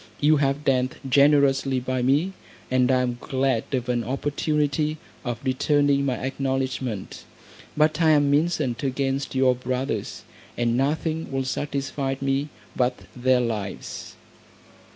You have dealt generously by me, and I am glad of an opportunity of returning my acknowledgment. But I am incensed against your brothers, and nothing will satisfy me but their lives."